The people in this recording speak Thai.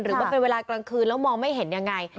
มันเป็นเวลากลางคืนแล้วมองไม่เห็นยังไง